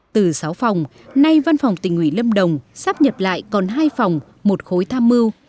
từ sáu phòng nay văn phòng tỉnh ủy lâm đồng sắp nhập lại còn hai phòng một khối tham mưu